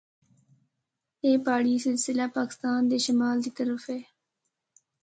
اے پہاڑی سلسلہ پاکستان دے شمال دی طرف ہے۔